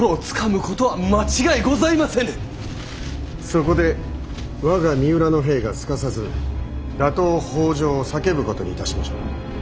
そこで我が三浦の兵がすかさず打倒北条を叫ぶことにいたしましょう。